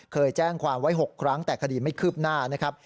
เคยแจ้งความไว้๖ครั้งแต่คดีไม่คืบหน้านะครับ